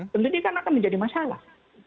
kemudian ini akan menjadi masalah